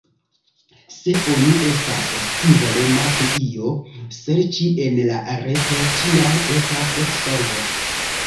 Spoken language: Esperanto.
Se oni estas scivolema pri io, serĉi en la reto ĉiam estas solvo.